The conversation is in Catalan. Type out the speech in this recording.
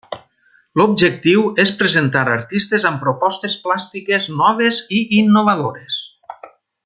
L'objectiu és presentar artistes amb propostes plàstiques noves i innovadores.